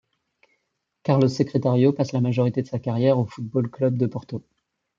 Carlos Secretário passe la majorité de sa carrière au Futebol Clube do Porto.